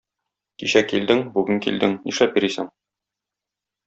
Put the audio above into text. Кичә килдең, бүген килдең, нишләп йөрисең?